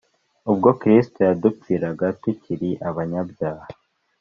ubwo Kristo yadupfiraga tukiri abanyabyaha